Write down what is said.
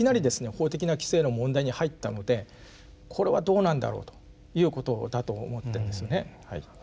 法的な規制の問題に入ったのでこれはどうなんだろうということだと思ってるんですね。